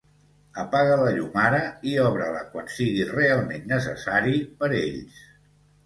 Apaga la llum ara i obre-la quan sigui realment necessari per ells